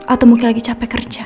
atau mungkin lagi capek kerja